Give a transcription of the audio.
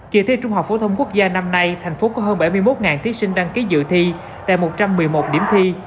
kỳ thi trung học phổ thông quốc gia năm nay thành phố có hơn bảy mươi một thí sinh đăng ký dự thi tại một trăm một mươi một điểm thi